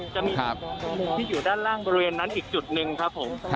จะมีจุดที่อยู่ด้านล่างบริเวณนั้นอีกจุดหนึ่งครับผม